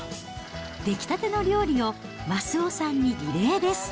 出来たての料理を益男さんにリレーです。